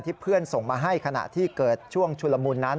เพื่อนส่งมาให้ขณะที่เกิดช่วงชุลมุนนั้น